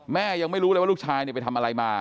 ยังไม่รู้เลยว่าลูกชายไปทำอะไรมา